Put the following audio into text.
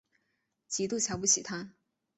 极度瞧不起他